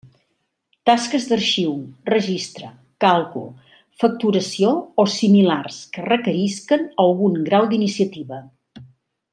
Tasques d'arxiu, registre, càlcul, facturació o similars que requerisquen algun grau d'iniciativa.